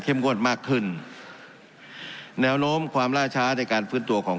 งวดมากขึ้นแนวโน้มความล่าช้าในการฟื้นตัวของ